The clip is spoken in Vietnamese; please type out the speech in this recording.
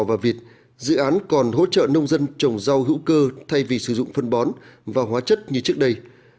quả vịt dự án còn hỗ trợ nông dân trồng rau hữu cơ thay vì sử dụng phân bón và hóa chất như trước đây